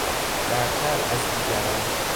برتر از دیگران